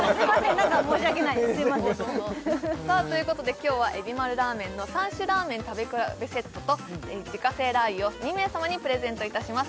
何か申し訳ないですすみませんさあということで今日は海老丸らーめんの３種らーめん食べ比べセットと自家製ラー油を２名様にプレゼントいたします